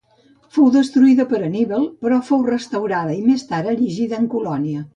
Fou destruïda per Anníbal, però fou restaurada i més tard erigida en colònia.